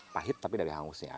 pahit tapi dari hangusnya